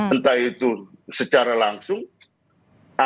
entah itu secara langsung atau tidak